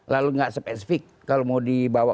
lalu nggak spesifik kalau mau dibawa